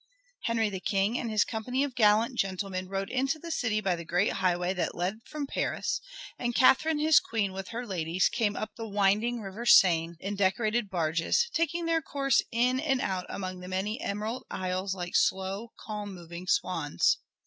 Henry the King and his company of gallant gentlemen rode into the city by the great highway that led from Paris, and Catherine his Queen, with her ladies, came up the winding river Seine in decorated barges, taking their course in and out among the many emerald isles like slow, calm moving swans.